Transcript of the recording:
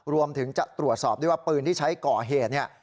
รวมถึงจะตรวจสอบด้วยว่าปืนที่ใช้ก่อเหตุเนี่ย